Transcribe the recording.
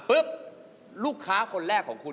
ลูกค้าคนแรกของคุณ